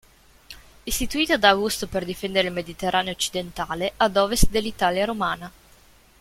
Istituita da Augusto per difendere il Mediterraneo occidentale, ad ovest dell'Italia romana.